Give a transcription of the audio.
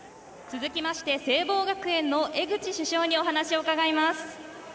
続きまして聖望学園の江口主将にお話を伺います。